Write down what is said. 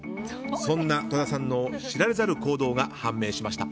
そんな戸田さんの知られざる行動が判明しました。